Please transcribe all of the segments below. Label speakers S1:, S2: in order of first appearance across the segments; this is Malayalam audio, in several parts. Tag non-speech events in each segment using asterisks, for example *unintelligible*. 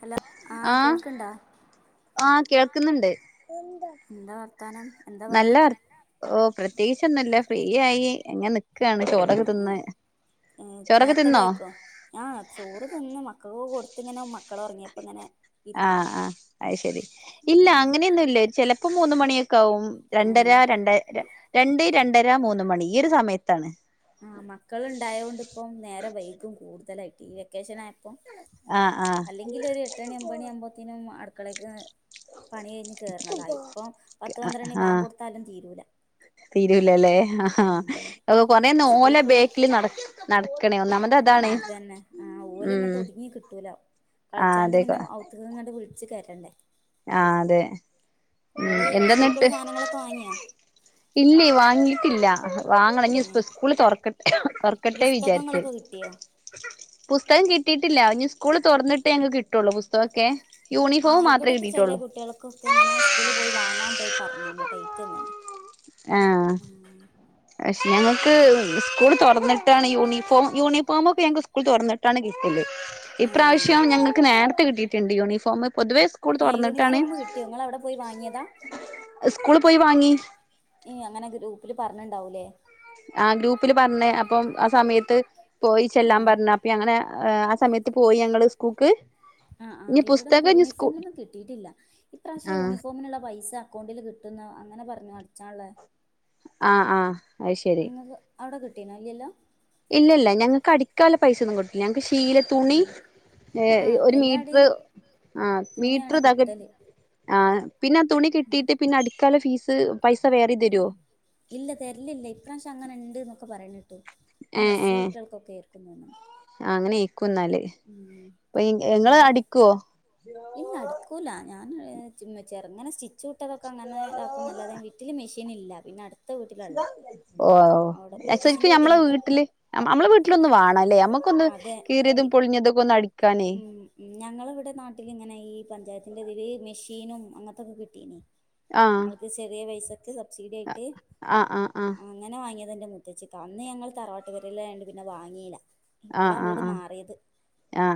S1: ഹലോ ആ കേൾക്കണ്ടോ?
S2: ആ കേൾക്കുന്നുണ്ട്
S1: എന്താ വർത്താനം എന്താ പണി
S2: നല്ല ഓ പ്രത്യേകിച്ചൊന്നുംല്ല ഫ്രീയായി ങ്ങെൻ
S1: ആ
S2: ചോറൊക്കെ
S1: നേരത്തെ
S2: തിന്നോ
S1: കഴിക്കോ ഞ ചോറ് തിന്ന് മക്കൾ പോകൊടു ഇങ്ങനെ മക്കളൊറങ്ങിയപ്പോങ്ങനെ
S2: ആ ആ അയ്ശരി ഇല്ല
S1: ഉം
S2: അങ്ങനെയൊന്നുല്ല ചെലപ്പോ മൂന്ന്മണിയൊക്കവും രണ്ട
S1: ഏഹ്
S2: ര രണ്ട രണ്ട് രണ്ടര മൂന്ന്മണി ഈയൊരു സമയത്താണ്.
S1: ആഹ് മക്കളുണ്ടായോണ്ട് ഇപ്പം നേരം വൈകും കൂടുതലായിട്ട് ഈ വെക്കേഷൻ ആയപ്പോം
S2: ആഹ്
S1: അല്ലെങ്കിൽ ഒരു എട്ടണി ഒമ്പണി ആ വുമ്പോത്തിനും അടുക്കളേക്ക് പണി കഴിഞ്ഞ് കേറുന്നതാ. ഇപ്പൊ പത്ത്
S2: ആഹ്
S1: പന്ത്രണ്ണി ബാങ്ക്
S2: ആഹ്
S1: കൊടുത്താലും തീരൂല.
S2: തീരൂലല്ലേ? ആ
S1: ഉം
S2: അപ്പൊ കൊറേ നോല
S1: സ്കൂൾക്കുള്ള
S2: ബേക്കിൽ നട നടക്കണേ ഒന്നാമത്
S1: ആ
S2: അതാണ്
S1: അതന്നെ ആ
S2: ഉം
S1: ഓലങ്ങോട്ട് ഒതുങ്ങി കിട്ടൂല.
S2: ആഹ്
S1: കളിച്ചാണ്ട്
S2: അതെ
S1: പിന്നെ ഔത്ക്ക് ങ്ട്ട് വിള വച്ച് കരണ്ടേ?
S2: ആ അതെ ഉം
S1: ഇങ്ങള് സ്കൂൾക്കുള്ള
S2: എന്താന്നിട്ട്?
S1: സാധനങ്ങളൊക്കെ വാങ്ങിയോ
S2: ഇല്ലേ, വാങ്ങിട്ടില്ല വാങ്ങണം. ഞ്ഞി പ്പൊ
S1: ഏ
S2: സ്കൂള തുറക്ക തൊർക്കട്ടെ വിചാരിച്ച
S1: പുസ്തകങ്ങളൊക്കെ കിട്ടിയോ
S2: പുസ്തകം കിട്ട കിട്ടീട്ടില്ല ഞ്ഞി സ്കൂൾ തുറന്നിട്ടെ ഞങ്ങക്ക് കിട്ടൊള്ളൂ ബുസ്തകൊക്കേ
S1: ആ
S2: യൂണിഫോമാത്രെ കിട്ട
S1: ഇവിടെയൊക്കെ ചെല കുട്ടികൾക്കൊക്കെ ങ്ങനെ സ്കൂളി പോയി വാങ്ങാൻ പോയി പറഞ്ഞ് ണ് ഡെയ്റ്റ്ന്ന്ണ്.
S2: ആ പക്ഷെ ഞങ്ങൾക്ക് സ്കൂൾ തുറന്ന യൂണഫോ, യൂണിഫോമൊ ക്കെ ഞങ്ങക്ക് സ്കൂൾ തൊറന്നിട്ടാണ് കിട്ടല്.
S1: ഏ
S2: ഇപ്രാവശ്യം ഞങ്ങക്ക് നേരത്തെ കിട്ടിയിട്ടുണ്ട് യൂണിഫോം പൊതുവേ സ്കൂൾ
S1: ഏ
S2: തുറന്നിട്ടാണ്
S1: യൂണിഫോം കിട്ടിയോ ഇങ്ങളവിടെ പോയി വാങ്ങിയതാ
S2: സ്കൂളിൽ പോയി വാങ്ങി
S1: അങ്ങനെ ഗ്രൂപ്പില് പറഞ്ഞണ്ടാവൂല്ലേ?
S2: ആ ഗ്രൂപ്പില് പറഞ്ഞ്. അപ്പം ആ സമയത്ത് പോയി
S1: ഏ
S2: ചെല്ലാൻ പറഞ്ഞ അപ്പ അങ്ങനെ ആ ആ സമയത്ത് പോയി ഞങ്ങള് സ്കൂക്ക്
S1: ആ ആ ഇവിടെന്നും യൂണിഫോമൊന്നും കിട്ടിട്ടില്ല, ഇപ്രാവശ്യം
S2: ആഹ്
S1: യൂണിഫോമിനുള്ള പൈസ അക്കൗണ്ടിൽ കിട്ടും അങ്ങനെ പറഞ്ഞു അടിച്ചാള്ളേ
S2: ആ ആ അത് ശരി.
S1: അവിടെ കിട്ടിനോ? ഇല്ലല്ലോ?
S2: ഇല്ല ഇല്ല ഞങ്ങക്ക് അടിക്കാല പൈസൊന്നും കിട്ടൂല ഞങ്ങക്ക് ശീല തുണി
S1: ഉം
S2: ഏ
S1: ആഹ്
S2: ഒരു മീറ്റർ
S1: എല്ലാടേം
S2: ആ
S1: തുണിയാണ്
S2: മീറ്റർ തക
S1: കിട്ടല്
S2: ആ പിന്നെ ആ തുണി കിട്ടിട്ട് പിന്നെ അടി ക്കാല ഫീസ് പൈസ വേറിം തരോ
S1: ഇല്ല തെരലില്ല. ഇപ്രാവശ്യം അങ്ങനെ ഇണ്ട് ന്നൊക്കെ പറേണെ എസ് യു കുട്ടികൾക്കൊക്കെ ർക്കും തോന്നണ്.
S2: അങ്ങനെർ കുന്നാല്. ഇങ്ങള് അടിക്കുവോ?
S1: ഞാൻമ് ചെറങ്ങനെ, സ്റ്റിച്ച് വിട്ടതൊക്കെ, അങ്ങനെ താക്കും നല്ലാതെ വീട്ടിൽ മി ഷീനില്ല. പിന്നെ അടുത്ത്
S2: ഓ സെരിക്കും
S1: മൂത്തച്ഛന്റെ
S2: ഞമ്മളെ
S1: വീട്ടിലുണ്ട്
S2: വീട്ടില് മ്മളെ വീട്ടിലൊന്ന് വണല്ലേ? നമ്മുക്കൊന്ന്
S1: അതെ
S2: കീറിതും, പൊളിഞ്ഞതും
S1: ഉം, ഉം. ഞങ്ങളവിടെ നാട്ടിലിങ്ങനെ ഈ പഞ്ചായത്തിൻ്ററെ തിൽ മിഷീനും അങ്ങനത്തൊക്കെ കിട്ടീന്
S2: ആഹ്
S1: നമ്മൾക്ക് ചെറിയ പൈസക്ക് സബ്സിഡി ആയിട്ട്
S2: ആഹ് ആഹ് ആഹ്
S1: അങ്ങനെ വാങ്ങിയ അതിന്റെ മുത്തച്ചിക്ക, അന്ന് ഞങ്ങൾ തറവാട്ട് പെരേലാ യൊണ്ട് പിന്നെ വാങ്ങീ ല്ല ഇപ്പളാ വീട് മാറിയത്.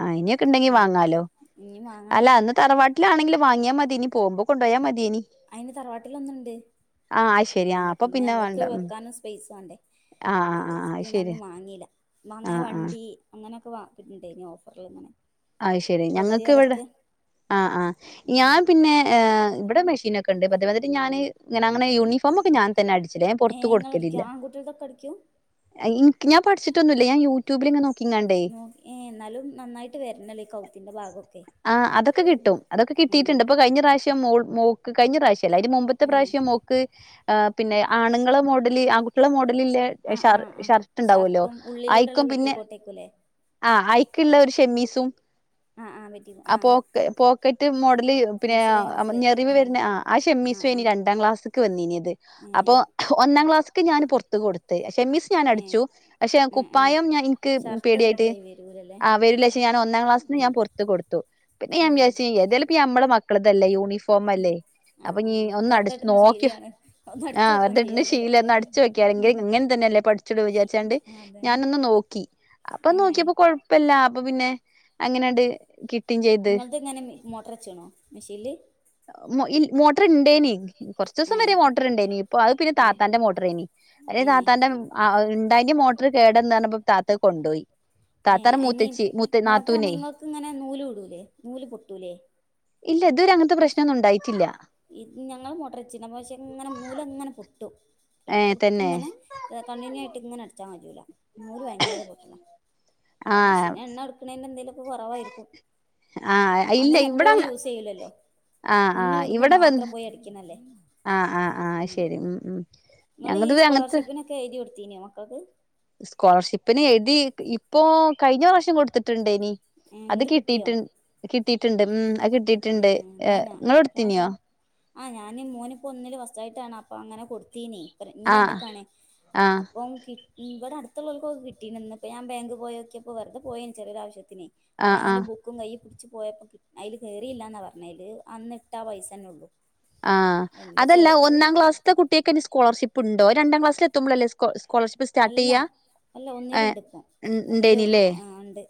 S2: ആ ഇനിയൊക്കെ ഉണ്ടെങ്കി
S1: ഉം
S2: വാങ്ങാലോ?
S1: ഇനി വാങ്ങണം
S2: അല്ല അന്ന് തറവാട്ടിലാണെങ്കില് വാങ്ങിയാ മതിയെനി, നി പോകുമ്പോ കൊണ്ടോയാ മതി.
S1: അയിന് തറവാട്ടില് ഒന്ന്ണ്ട്.
S2: ആ അത് ശരി ആ
S1: അങ്ങനെ
S2: അപ്പൊ
S1: പിന്നെ ഞമ്മൾക്ക്
S2: വേണ്ട ഉം
S1: വെക്കാനും സ്പൈസേണ്ടേ?
S2: ആ ആ ആ ആ
S1: അയ്യരിച്ചിട്ട് ന്നെ
S2: ശരി
S1: അന്ന് വാങ്ങീല്ല.
S2: ആ
S1: അങ്ങനെ
S2: ആ
S1: വണ്ടി, അങ്ങനെയൊക്കെ ണ്ടയ്നി ഓഫറിൽ ങ്ങനെ
S2: ആ ശരി ഞങ്ങൾക്ക് ഇവിടെ ആ ആഹ
S1: ഉം
S2: ഞാൻ പിന്നെ ഇവിടെ മെഷീനൊക്കെ ണ്ട്. പത് വരേറ്റ് ഞാന് ഇങ്ങനെ ഞമ്മളെ യൂണിഫോമൊ ക്കെഞാൻ അടിച്ചല. ഞാൻ പുറത്ത്
S1: ഏഹ് ഇങ്ങളടിക്കോ
S2: കൊടുക്കലില്ല.
S1: ആൺകുട്ടികൾതൊക്കെ അടിക്കും
S2: ഞാൻ ഇൻക് പഠിച്ചിട്ടൊന്നുല്ല, ഞാ യു ടു
S1: *unintelligible* എന്നാലും നന്നായിട്ട് വെ
S2: ആ അതൊക്കെ കിട്ടും. അതൊക്കെ
S1: ഉം
S2: കിട്ടിട്ടുണ്ട്, ഇപ്പൊ കഴിഞ്ഞ പ്രാവശ്യം മോൾ മോക്ക് കഴിഞ്ഞ പ്രാവശ്യല്ല, അയിന്റെ മുമ്പത്തെ
S1: ഏ
S2: പ്രാവശ്യം മോക്ക് ആ പിന്നെ ആണുങ്ങള മോഡല്, ആൺകുട്യളെ മോഡല് ല്ലേ
S1: ആ ആ
S2: ഷർ
S1: ആ
S2: ഷർട്ട് ഉണ്ടാവല്ലോ
S1: ഷർട്ടും ഉള്ളിലൂടെള്ള
S2: ഐയിക്കും പിന്നെ
S1: പെറ്റിക്കോട്ടേക്കുംല്ലേ
S2: ആഹ അയിക്ക്ള്ള ഒരു ഷെമ്മീസും
S1: ആ ആ പെറ്റി *unintelligible* ആ
S2: ആ പോക്ക പോക്കറ്റ് മോഡല് പിന്നെ
S1: മനസ്സിലായി മനസ്സിലായി
S2: ഞെറിവ് വരണ ആ ആ ഷെമ്മീസ്
S1: ആ ആ
S2: ഏനി രണ്ടാം ക്ലാസ് വന്നീനത്.
S1: ഏ
S2: അപ്പൊ ഒന്നാം ക്ലാസ്സക്ക് ഞാൻ പൊറത്ത് കൊടുത്ത്. ഷെമ്മീസ് ഞാൻ
S1: ഏ
S2: അടിച്ചു. പക്ഷെ
S1: ഏ ഏ
S2: കുപ്പായം ഞാൻ എനിക്ക്
S1: ഷർട്ട് റെഡി
S2: പേടിയായിട്ട്
S1: ആയി വരൂലല്ലേ
S2: ആ വെരുലെ ച്ച് ഒന്നാം ക്ലാസിൽ
S1: ഉം
S2: ഞാൻ പുറത്ത് കൊടുത്തു. പിന്നെ
S1: ഏ
S2: ഞാന് വിചാരിച്ചു മ്മളെ മക്കളതല്ലേ യൂണിഫോം ഫോമല്ലേ
S1: ആ
S2: അപ്പൊ
S1: ആ
S2: നീ ഒന്ന് അടിച്ചു
S1: വെറുതെട്ടണ
S2: നോക്കിയോ,
S1: ശീലയാണ് ഒന്ന്
S2: ആ
S1: അടിച്ചു നോക്കാൻ
S2: വെറ്തെ ഇട്ടിന്റെ
S1: ചെയ്യാലോല്ലേ
S2: ശീലം ഒന്ന് അടച്ച് വെക്യാണെങ്കില് ഇങ്ങനെത്തന്നെ പഠിച്ചത് വിചാരിച്ചാണ്ട്
S1: ആ അതന്നെ
S2: ഞാനൊന്ന് നോക്കി അപ്പൊ
S1: ഏ
S2: നോക്കിയപ്പോ കൊഴപ്പില്ല. അപ്പൊ പിന്നെ അങ്ങനെയണ്ട് കിട്ടി.
S1: നിങ്ങൾത് എങ്ങനെ മോട്ടർ വച്ചാണോ മെഷീനില്.
S2: മൊ ഇ മോട്ടർ ഇണ്ടേനി കുറച്ച് ദിവസം
S1: ഏ
S2: വരെ മോട്ടറിണ്ടേനി. ഇപ്പൊ അത് പിന്നെ
S1: ഏ
S2: താത്താന്റെ മോട്ടറേനി അല്ലേ
S1: ഏ
S2: താത്താന്റെ ആ ഇണ്ടായിന് മോട്ടർ കേടന്നാണിപ്പോ താത്ത കൊണ്ടോയി. താത്തടെ മൂ
S1: ഇ മോട്ടർ ഇങ്ങള്ക്കിങ്ങനെ നൂല് വിടൂലേ, നൂല് പൊട്ടൂലേ
S2: ഇല്ല ഇതുവരെ അങ്ങനത്തെ പ്രശ്നം ഒന്നും ഉണ്ടായിറ്റില്ല.
S1: ഇ ഞങ്ങളും മോട്ടറ് വെച്ചിന്, പക്ഷെ ഇങ്ങനെ നൂലങ്ങനെ പൊട്ടും.
S2: ഏഹ് തന്നെ
S1: എടക്കിടക്കിങ്ങനെ കണ്ടിന്യൂ ആയിട്ട് ഇങ്ങനെ അടച്ചാൽ മതീലെ. നൂല് ഭയങ്കര പൊട്ടല
S2: ആഹ്
S1: മെഷീൻ എണ്ണ എടുക്കണേന് എന്തേലുമൊക്കെ കുറവായിരിക്കും.
S2: ആഹ് ഇല്ല
S1: അങ്ങനെ എപ്പോഴും
S2: ഇവിടെല്ലാ
S1: യൂസ് ചെയ്യൂലല്ലോ
S2: ആ ആ
S1: തുന്നി വിടുമ്പോ
S2: എവിടെ വ
S1: മാത്രം പോയി അടിക്കണല്ലേ
S2: ആ ആ ആഹ ശരി മം മം
S1: നിങ്ങള് ഈ സ്കോളർഷിപ്പിനൊക്കെ എഴുതി കൊടുത്തീന മക്കൾക്ക്.
S2: സ്കോളർഷിപ്പിന് എഴുതി, ഇപ്പോ കഴിഞ്ഞ പ്രാവശ്യം കൊടുത്തിട്ടുണ്ടേനി.
S1: ഏ
S2: അത്
S1: എന്നിട്ട്
S2: കിട്ടിട്ടു
S1: കിട്ടിയോ
S2: കിട്ടിട്ടുണ്ട്. ഉം ആ കിട്ടിട്ടുണ്ട്
S1: ഏഹ്
S2: എ ഇങ്ങള് കൊടുത്തീനോ.
S1: ആ ഞാന് മോനിപ്പോ ഒന്നിൽ ഫസ്റ്റായിട്ടാണ് അപ്പ അങ്ങനെ കൊടുത്തീന്. ഇങ്ങ
S2: ആഹ്
S1: രണ്ടിക്കാണ്
S2: ആഹ്
S1: അപ്പം കി ഇവിടാത്ത മ്മൾക്ക്ക്കിപ്പോ കിട്ടീന്ന്‌. ന്നിപ്പോ ഞാൻ ബെങ്കി പോയൊക്കിയപ്പോൾ വെറുതെ പോയെനും ചെറിയൊരാവശ്യത്തി
S2: ആഹ്
S1: ഞാവന്റെ
S2: ആഹ്
S1: ബുക്കും കയ്യി പിടിച്ച് പോയ അയില് കയറിയില്ലാന്ന പറഞ്ഞെ അയില്. അന്നിട്ട ആ പൈസന്നെ ഉള്ളൂ.
S2: ആഹ് അതല്ല ഒന്നാം ക്ലാസ്സത്തെ കുട്ടികൾക്ക് സ്കോളർഷിപ്പ് ഉണ്ടോ, രണ്ടാം ക്ലാസ്സിൽ എത്തുമ്പോളല്ലേ സ്കോളർ
S1: അല്ല അല്ല
S2: ഏഹ്
S1: ഒന്നിലുണ്ട് ഇപ്പോ. ഒന്നില്
S2: ഉണ്ടേനില്ലേ
S1: ആ ഇണ്ട്.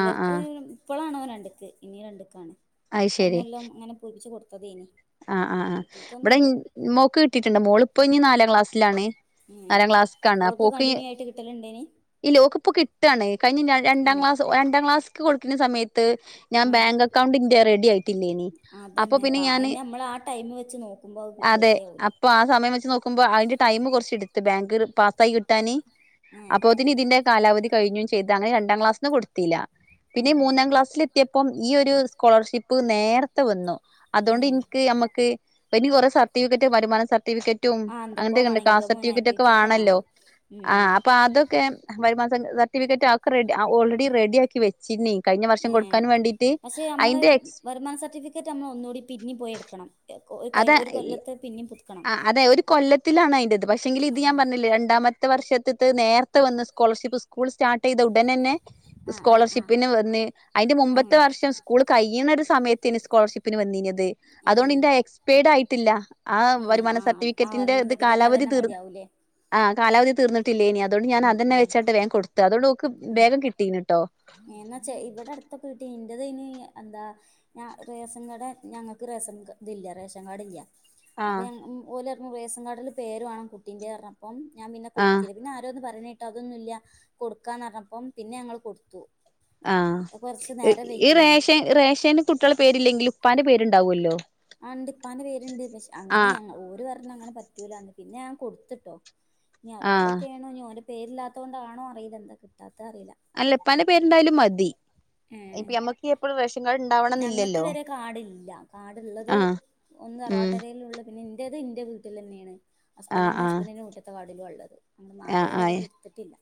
S2: ആഹ് ആഹ്
S1: ഇപ്പോളാണ് ഓ രണ്ടിക്ക് ഇനി രണ്ടുക്കാണ് കഴഞ്ഞ കൊല്ലം ഇങ്ങനെ പൂരിപ്പിച്ചച്ച് കൊടുത്തതേനും.
S2: ആ ആ ആ ഇവിടെ മോക്ക് കിട്ടിയിട്ടുണ്ട് മോളിപ്പോ ഇനി നാലാം ക്ലാസ്സിലാണ്.
S1: ഉം
S2: നാലാം
S1: ഓൾക്ക് കണ്ടിന്യൂ ആയിട്ട് കിട്ടലുണ്ടേനി.
S2: ഇല്ലാ ഓക്കിപ്പോ കിട്ടാണ് കഴിഞ്ഞ രണ്ടാം
S1: ഉം
S2: ക്ലാസ് രണ്ടാംക്ലാസ്ക്ക് കൊടുക്കുന്ന സമയത്ത് ത്ത് ഞാൻ ബാങ്ക് അക്കൗണ്ടിന്റെ റെഡി ആക്കിയിട്ടില്ലേനി.
S1: അതന്നെപ്പാ അതിന് നമ്മള് ആ ടൈമ് വെച്ച് നോക്കുമ്പോ
S2: അതെ
S1: റെഡി ആവൂല
S2: അപ്പൊ ആ സമയം വെച്ച് നോക്കുമ്പോ അതിന്റെ ടൈം കുറച്ച് എടുത്ത് ബാങ്ക് പാസ്സായി കിട്ടാന്
S1: ഉം
S2: അപ്പോത്തിന് ഇതിന്റെ കാലാവധി കഴിഞ്ഞും ചെയ്തു അങ്ങനെ രണ്ടാം ക്ലാസ്സിന്നു കൊടുത്തില്ല പിന്നെ
S1: ഉം
S2: മൂന്നാം ക്ലാസ്സില് എത്തിയപ്പം ഈ ഒരു സ്കോളർഷിപ്പ് നേരത്തെ വന്നു അതുകൊണ്ട്
S1: ഉം
S2: എനിക്ക് നമ്മക്ക് ഇനി കുറെേ സർട്ടിഫിക്കറ്റ് വരുമാനം സർട്ടി സർട്ടിഫിക്കറ്റും
S1: ആ എന്തൊക്കോ
S2: അങ്ങനത്തെൊക്കെ ഉണ്ട്
S1: വേണം
S2: കാസ്റ്റ്
S1: ഇൻകമും
S2: സർട്ടിഫിക്കറ്റ് ഒക്കെ
S1: ആക്ടിവിറ്റി
S2: വേണമല്ലോ
S1: വേണം
S2: ആ
S1: ഉം
S2: അപ്പൊ അത് *unintelligible* വരുമാന സർട്ടിഫിക്കറ്റ് ആക്കെ റെഡി ഓൾറെഡി റെഡിയാക്കി വെച്ചിന്
S1: ഏ പക്ഷെ നമ്മള്
S2: എക്സ്
S1: വരുമാന സർട്ടിഫിക്കറ്റ് നമ്മൾ ഒന്നുകൂടി പിന്നെ പോയി എടുക്കണംല്ലേ ഒര് കൈ ഒരു കൊല്ലത്തെ പിന്നേം
S2: ആ അതെ ഒരു കൊല്ലത്തിലാണ് അയിന്റേത് പക്ഷെങ്കിലും ഇത് ഞാൻ
S1: ആഹ്
S2: പറഞ്ഞില്ലേ രണ്ടാമത്തെ ത്തെ വർഷ് നേരത്തെ വന്ന് സ്കോളർഷിപ്പ് സ്കൂൾ സ്റ്റാർട്ട് ചെയ്ത് ഉടനെന്നെ
S1: ആഹ് ആഹ് ആഹ്
S2: സ്കോളർഷിപ്പിന് വന്ന് അതിന്റെ
S1: ഉം
S2: മുമ്പത്തെ വർഷം സ്കൂൾ കഴിയുന്നൊരു സമയത്തിന് സ്കോളർഷിപ്പിന് വന്നിനത് അതുകൊണ്ട്
S1: ഉം
S2: ന്റെ എക്സ്പരിഡ് ആയിട്ടില്ല ആ
S1: ഉം
S2: വരുമാന
S1: ആഹ് ആ
S2: സർട്ടിഫിക്കറ്റിന്റെ
S1: വരുമാന
S2: ഇത്
S1: സർട്ടിഫിക്കറ്റ്
S2: കാലാവധി
S1: അതന്നെ
S2: തർ
S1: മതിയാവൂലേ
S2: ആ് കാലാവധി തീർന്നിട്ട് ല്ല ഇനി അതുകൊണ്ട് ഞാൻ
S1: ഉം
S2: അതന്നെ
S1: ഉം
S2: വെച്ചിട്ട് വേഗ കൊടുത്തു അതുകൊണ്ട് നക്ക് വേഗം കിട്ടീന്ന കേട്ടോ
S1: ഇപ്പ കേട്ടണ്ട് അ്ത്തിന് എന്താ ഞാ റേഷൻ കാഡ ഞങ്ങൾക്ക് റേഷൻ ഇതില്ല റേഷൻ കാർഡ ഇല്ല അപ്പൊ
S2: ആഹ്
S1: ഞ ഓല ഇ റേഷൻ കാർഡില് പേര് വേണം കുട്ടീന്റെറെ അപ്പം ഞാൻ പിന്നെ
S2: ആഹ്
S1: കൊടുത്തില്ല പിന്നെ പറഞ്ഞിട്ട് അതൊന്നുമല്ല കൊടുക്കാന്ന് പറഞ്ഞപ്പം പിന്നെ ഞങ്ങൾ കൊടുത്തു
S2: ആ
S1: കൊറച്ച് നേരം
S2: ഈ
S1: വൈകീണ്
S2: റേഷ റേഷേും കുട്ടികള പേരില്ലെങ്കിൽ ഉപ്പാന്റെ പേരുണ്ടാവുമല്ലോ
S1: ആ ഉണ്ടിപ്പാന്റെ പേരുണ്ട് പക്ഷെ അങ്ങനെ
S2: ആഹ്
S1: ഞ ഓ പറഞ്ഞ അങ്ങനെ പറ്റൂലന്ന് പിന്നെ ഞാൻ കൊടുത്തിട്ടോ ഞ
S2: ആഹ്
S1: അതുകൊണ്ടറ്റെ ണോ ഓന്റെ പേരില്ലാത്തത് കൊണ്ടാണോ അറീല എന്താ കിട്ടാത്ത അറിയ
S2: അല്ലപ്പന്റെ പേര്ണ്ടായാലും മതി ഇപ്പ അമ്മക്ക് എപ്പോഴും
S1: ഞങ്ങൾക്ക് വരെ കാടില്ല കാടുള്ളത്
S2: ആഹ് ഉം
S1: ഒന്ന്തറവാട്ടേരേലും ഉള്ള പിന്നെ എന്റേത് എന്റെ വീട്ടിൽ തന്നെയാണ്
S2: ആഹ്
S1: ഹസ്ബൻറിും
S2: ആഹ്
S1: ഹസ്ബൻഡറിന്റെ കൂട്ടത്തെ വാടിലും ഉള്ളത് അൾ മാറിയാരെ ഇടുത്തിട്ടില്ല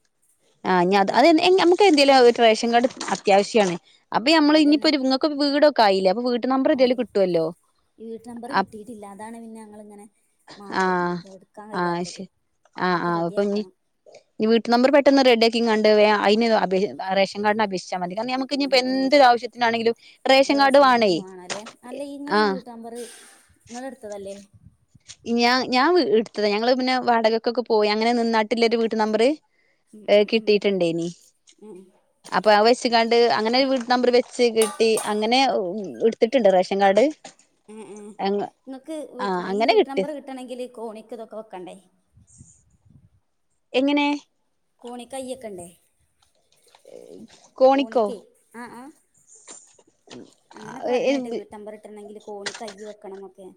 S2: ആ് ഞാത് അത നമുക്ക് എന്തേല ഒരു റേഷൻ കാർഡ് അത്യാവശ്യാണ് അപ്പൊ നമ്മള് ഇഞ്ഞി
S1: അതന്നെ
S2: പ്പോൊ ഒരു നിങ്ങക്ക് വീടൊക്കെയില്ല അപ്പ വീട്ട് നമ്പർ
S1: അതെ
S2: ഏതായാലും കിട്ടുവല്ലോ
S1: ഈ വീട്ട നമ്പർ
S2: ആഹ്
S1: കിട്ടിയിട്ടില്ലാതാണ് പിന്നെ ഞങ്ങൾിങ്ങനെ മാറി
S2: ആഹ്
S1: എടുക്കാൻ കഴിയാത്തത്
S2: ശരി ആഹ്
S1: അതൊക്കെ
S2: ആ് അപ്പൊ ഇനി
S1: റെഡിയാക്കണം
S2: വീട്ട നമ്പർ പെട്ടെന്ന് റെഡ്ഡക്കി ക അന് റേഷൻ കാർഡിന അപേക്ഷിച്ചു മതി കാരണം നമുക്ക് ഇനിപ്പ
S1: ഉം ഉം
S2: എന്തൊരു ആവശ്യത്തിനാണെങ്കിലും റേഷൻ കാർഡ് വേണേ ആഹ
S1: നിങ്ങള എടുത്തതല്ലേ
S2: ഞാ ഞൻ എടുത്തതാ ഞങ്ങള് പിന്നെ വടകക്കൊക്കെ പോയി അങ്ങനെ നിന്നാട്ടില്ല ഒരു വീട്ട് നമ്പര്
S1: ഉം
S2: ഏർ
S1: ഉം ഉം
S2: കിട്ടിയിട്ടുണ്ടനി
S1: ഉം
S2: അപ്പൊ ആ വെച്ച കണ്ട് അങ്ങനെ വീട്ട് നമ്പര് വെച്ച് കിട്ടി അങ്ങനെ എടുത്തിട്ടുണ്ട് റേഷ ങ്ങാട്
S1: ഉം ഉ നിങ്ങക്ക് വട്ട ഈ
S2: അങ്ങനെ
S1: വീട്ട്
S2: കിട്ടി
S1: നമ്പർ കിട്ടണമെങ്കില് കോണിക്ക് ഇതൊക്കെ വെക്കണ്ടേ
S2: എങ്ങനെ
S1: കോണിിക്കയ്യക്കണ്ടേ
S2: ഏ
S1: കോണക്ക് ആ ആ അങ്ങനെയൊക്കെ പറയണായിട്ട് വീട്ടമ്പർ ഇട്ടിുെങ്കില് കോണി കയ വെക്കണം എന്നൊക്കെ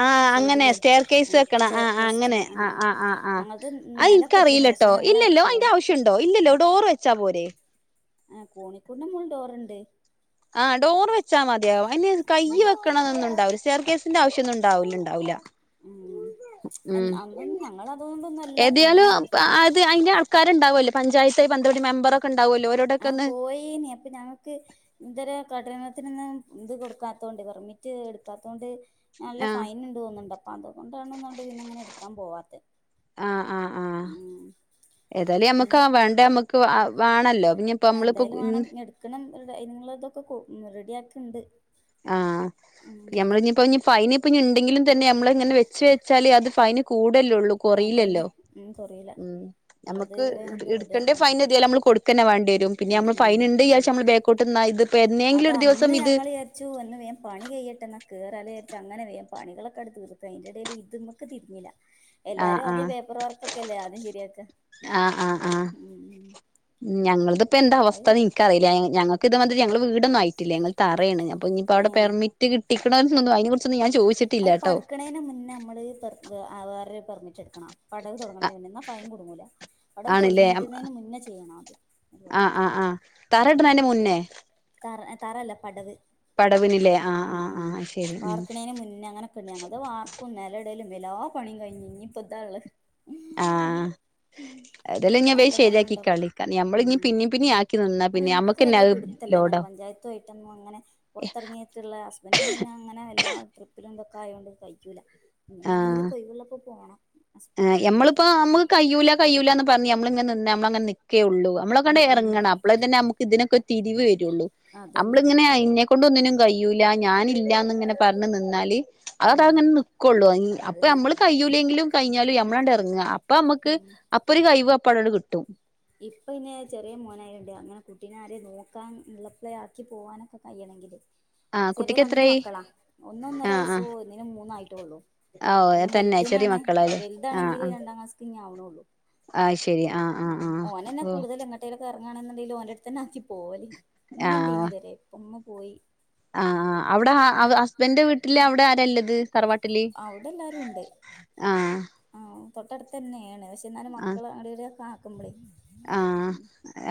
S2: ആ അങ്ങനെ സ്റ്റെയർ കേെയസ്
S1: ആഹ്
S2: വെക്കണ ആ
S1: ചെയർ
S2: ആ് അങ്ങനെ
S1: കേസ്റ്റിന്
S2: ആ
S1: ആഹ് ആഹ്
S2: ആ് ആ് ആ്
S1: ഞങ്ങൾത്
S2: അത്
S1: നിലൊക്കെ
S2: എനിക്കറിയ
S1: ഇട്ട്ണ് പക്ഷെ
S2: യിലെട്ടോ
S1: ഞങ്ങള്
S2: ഇല്ലല്ലോ അതിന്റെ
S1: കോണി
S2: ആവശ്യംുണ്ടോ ഇല്ലോ ഡോറ് വെച്ചാ പോരേ
S1: ആ കോണികൂഡിന്റെ മോൾ ഡോറു ണ്ട്
S2: ആഹ ഡോർ വെച്ചാൽ മതിയാവുംും അനി കൈ വെക്കണ എന്നന്നുണ്ടാവുംര് ചേർ കേേസിന്റെ ആശ്യ ഒന്നും ഉണ്ടാവില്ലണ്ടാവില്ല
S1: ഉം
S2: ഉ
S1: അന്നൊന്നും ഞങ്ങളതുകൊണ്ടൊന്നും അല്ല
S2: ഏതായാലും
S1: പിന്നെ
S2: അത് അതിന്റെ ആൾക്കാരുണ്ടാവുമല്ലോ പഞ്ചായത്തെ പന്തപടി മെമ്പറൊക്കെണ്ട്
S1: ആഹ പോയന അപ്പൊ ഞങ്ങക്ക് എന്തരം കഠനത്തിൽൊന്നും ഇത് കൊടുക്കാത്തതുകൊണ്ട് പെർമിറ്റ് എടുക്കാത്തത കൊണ്ട് നല്ല
S2: ആഹ്
S1: ഫൈൻുണ്ട്തോന്നുണ്ട് അം അപ്പൊ അതുകൊണ്ടാണ്ണ്ട് ഇന്ന ഇങ്ങനെ എടുക്കാൻ പോവാത്
S2: ആ ആ് ആ ഏതായാലും മ്മക്ക് ആ വേണ്ട നമ്മുക്ക് വേണല്ലോ
S1: ആ എന്തായാലും വേണം എടുക്കണം നിങ്ങള ഇതൊക്കെ റെഡിയാക്കിണ്ട്
S2: ആഹ്
S1: ഉം
S2: നമ്മള് ഇപ്പോ ഫൈ പിന്നെ ഉണ്ടെങ്കിലും തന്നെ നമ്മള ഇങ്ങനെ വെച്ച വെച്ചാലേ അത് ഫൈന് കൂടല്ലള്ളൂ
S1: അതന്നെ
S2: കുറല്ലല്ലോ
S1: ഉം കൊറിയില
S2: ഉം
S1: ഉള്ളത്
S2: നമുക്ക്
S1: വേഗം
S2: എടുക്കേണ്ടേ
S1: റെഡിയാക്കണം
S2: ഫൈൻ എാലൽ നമ്മ കൊടുക്കന്നേ വേണ്ടി വരും പിന്നെ
S1: ഉം
S2: നമ്മൾ
S1: ഉം
S2: ഫൈൻണ്ട് നമ്മൾ കട്ടുന്ന ഇത് ഇപ്പോ എന്തെങ്കിലും ഒരു ദിവസം ഇത്
S1: ചച്ചു വേം പണി കിട്ട എന്നാ കയറലേചരിച്ച അങ്ങനെ വേ പണികളക്കെടുത്ത്ർത് അതി്ന്റെ ഇടയിൽ ഇത് നമക്ക് തിഞ്ഞില്ല
S2: ആഹ്
S1: എല്ലാരും ആദ്യം
S2: ആഹ്
S1: പേപ്പർ വർക്ക് ഒക്കെ അല്ലേ ആദ്യം ശരിയാൊക്കെ
S2: ആഹ് ആഹ് ആഹ് ഞങ്ങളതി ഇപ്പ എന്താ
S1: അത്
S2: അവസ്ഥന്ന് നിനക്ക്റിയില്ല ഞങ്ങ ഇ വ ഞങ്ങ വടൊന്നും ആയില്ല ങ്ങൾ തയ അപ്പോ ഇനിപ്പോ
S1: ഏ
S2: അവിടെ പെർി കിട്ടിക്കണ തന്നുന്നു അതിനെകുറിച്ചൻ
S1: അത് പഠക്കണേന് മുന്നേ നമ്മള് ആരുടെ പെർമിറ്റ് എട പടവ് തുടങ്ങണതിന് മുന്നോ എന്നാൽ ഫൈൻ കുടുങ്ങൂില്ല പടവ്
S2: ആണല്ലേ
S1: തുടങ്ങിയിട്ടുന്നതിന് മുന്നേ ചെയ്യണം.
S2: ആ് ആ് തറയിടുന്നതിന്റെ മുന്നേ.
S1: തറ തറല്ല പടവ്
S2: പടവിനില്ലേ ആഹ്
S1: ഉം
S2: ആഹ്
S1: ഉം
S2: ആഹ ശരി ഉ
S1: വാർക്കണേന് മുന്നേ അങ്ങനൊക്കെ ഞങ്ങളത് വാർപ്പ് നിലടലും എല പണി കഴിഞ്ഞഞ് ഇനി ഇപ്പ താ
S2: ആഹ അതെല്ലാം
S1: അപ്പൊ
S2: ഞൻ
S1: നല്ല
S2: ശരിയാക്കി
S1: ഫൈനുണ്ടാവും
S2: കളള്ള നഞമ്മള ഇ
S1: ഉം
S2: പിന്നേം പിന്നെയും ആക്കി നിന്നാ പിന്നെ നമ്മുക്ക്
S1: നെ പഞ്ചായത്തു ആയിട്ടൊന്നുപുറത്തിറങ്ങിയിട്ടുള്ള ഹസ്ബൻഡങ്ങനെ അങ്ങനെ എല്ലാ ട്രിപ്പിലും ഇതൊക്കെ ആയുകൊണ്ട് തഴിക്കൂില്ല ഇനിങ്ങനെയെങ്കില കൊയ്വള്ളപ്പോൊ പോകണം
S2: ആ നമ്മളിപ്പോ നമ്മുക്ക് കയ്യൂല ക്യൂല എന്ന് പറഞ്ഞ് നമ്മളിങ്ങെ നി നമ്മള അങ്ങനെ നിിക്കേയുള്ളൂ നമ്മളൊക്കെണ്ട്
S1: ഉം ഉം
S2: ഇറങ്ങണം അപ്പോളഴെ തന്നെ നമുക്ക് ഇതിനൊക്കെ തിരിവ വരുള്ളൂ
S1: അതന്നെ
S2: നമ്മളിങ്ങനെ കൊണ്ടൊന്നിനും കഴിയൂല്ല ഞാന ഇില്ലാന്ന്ിങ്ങനെ പറഞ്ഞ് നിന്നാല് അത അത
S1: ഉം
S2: അങ്ങനെ നക്കുള്ളൂ അപ്പൊ
S1: അതെ
S2: നമ്മള് കഴയിൂലെങ്കിലും. കഴിഞ്ഞാലും മ്മളാഅട് ഇറങ്ങ അപ്പൊ നമ്മുക്ക്
S1: ഉം
S2: അപ്പ ഒരു കഴിവ് അപ്പാടുകൾ കിട്ടും.
S1: ഇപ്പ ഇന്നെ ചെറിയ മോനായിണ്ട് അങ്ങനെ കുട്ടിനെ ആരെെയ നോക്കാൻ ഇളപ്പള ആി പോകാനൊക്കെ കഴിയണെങ്കില്
S2: ആഹ്
S1: ചെറിയ
S2: കുട്ടിക്ക്
S1: രണ്ട
S2: എത്രായി
S1: മക്കളാ ഒന്ന ഒന്നേര
S2: ആഹ്
S1: വയസ്സോ ഇും മൂന്നായിട്ടേ ഉള്ളു.
S2: ആഹ് ഓഹ്
S1: പിന്നെ
S2: തന്നെ ചെറിയ
S1: വലുതിനാാണ്
S2: മക്കളാല്ലേ ആഹ് ആഹ്
S1: വലുതാണെങ്കില് രണ്ടാം ക്ലാസ്സ ഇ ആവണള്ളു.
S2: ആഹ് ശരി ആഹ ആഹ് ആഹ
S1: ഓന തന്നെ കൂടുതൽ എങ്ങട്ടേലക്കെ ഇറങ്ങാണുണ്ടെങ്ക ഓന്റെ അടുത്ത് തന്ന ആക്കി പോല ഉമ്മ ടീി തരെ ഉമ്മ പോയി
S2: ആ ആ് അവിടെ ഹസ്ബൻന്റെ വീട്ടില് അവിടെ ആരല്ലത് തറവാട്ടിലി
S1: അവിടെ എല്ലാരും
S2: ആഹ
S1: തൊട്ടടുത്ത് തന്നെയാണ് പക്ഷെ എന്നാലും മക്കൾ അവിടെ ആക്കുമ്പോളേ
S2: ആഹ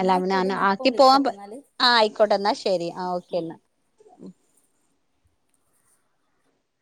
S2: എല്ലാ
S1: ഞാൻ ഇപ്പ
S2: ആക്കി പോവാൻ
S1: വിളിക്കട്ടെ എന്നാല്
S2: ആഹ ആയിക്കോട്ടെ എന്നാ ശെരി ആ ഓക്കെ എന്നാ